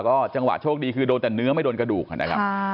ก็จังหวะโชคดีคือโดนแต่เนื้อไม่โดนกระดูกนะครับ